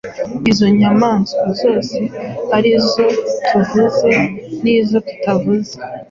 Izo nyamaswa zose, ari izo tuvuze n’izo tutavuze,